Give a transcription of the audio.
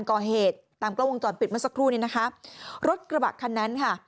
ก่อเหตุตามกล้องวงจรปิดเมื่อสักครู่นี้นะคะรถกระบะคันนั้นค่ะ